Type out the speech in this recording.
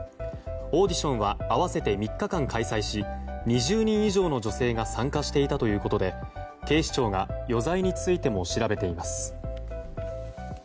オーディションは合わせて３日間開催し２０人以上の女性が参加していたということで警視庁が余罪についても調べています。